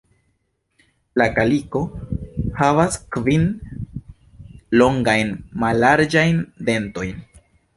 La kaliko havas kvin longajn mallarĝajn "dentojn".